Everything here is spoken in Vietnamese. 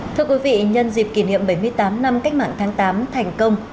thưa quý vị nhân dịp kỷ niệm bảy mươi tám năm cách mạng tháng tám thành công